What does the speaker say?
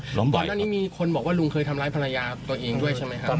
เพราะฉะนั้นมีคนบอกว่าลุงเคยทำร้ายภรรยาตัวเองด้วยใช่มั้ยครับ